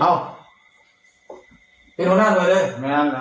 จัดกระบวนพร้อมกัน